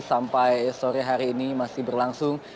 sampai sore hari ini masih berlangsung